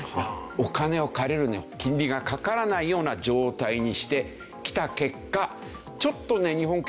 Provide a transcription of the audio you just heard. お金を借りるのに金利がかからないような状態にしてきた結果。